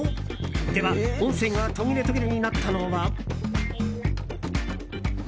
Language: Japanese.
では、音声が途切れ途切れになったのは。